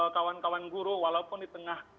kawan kawan guru walaupun di tengah